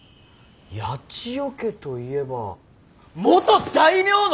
八千代家といえば元大名の！？